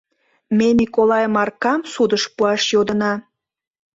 Ме Миколай Маркам судыш пуаш йодына.